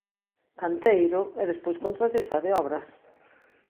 Canteiro e despois contratista de obras.